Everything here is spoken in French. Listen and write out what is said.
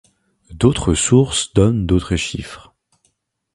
D'autres sources donnent d'autres chiffres.